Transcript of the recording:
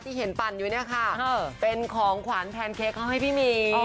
ที่เห็นปั่นอยู่เนี้ยค่ะเออเป็นของขวานแพนเค้กเขาให้พี่หมีอ๋อ